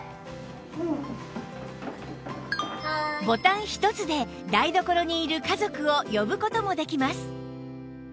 ボタン一つで台所にいる家族を呼ぶ事もできます